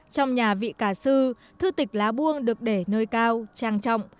trong nhà vị cả sư thư tịch lá buông được để nơi cao trang trọng